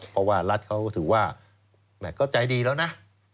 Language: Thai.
เพราะว่ารัฐเขาถือว่าแม่ก็ใจดีแล้วนะ